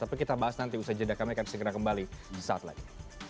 tapi kita bahas nanti usai jeda kami akan segera kembali di saat lain